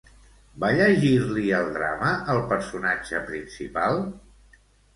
Va llegir-li el drama al personatge principal?